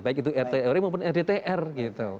baik itu rt rw maupun rt tr gitu